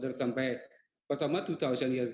pertama sampai dua ribu usd